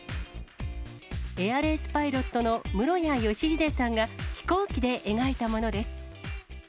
エアレースパイロットの室屋義秀さんが飛行機で描いたものです。